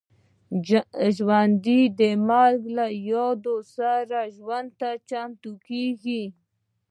ژوندي د مرګ له یاد سره ژوند ته چمتو کېږي